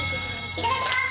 いただきます。